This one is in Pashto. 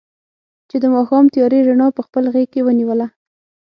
چې د ماښام تیارې رڼا په خپل غېږ کې ونیوله.